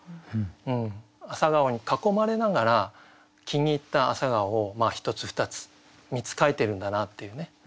朝顔に囲まれながら気に入った朝顔を１つ２つ３つ描いてるんだなっていうね。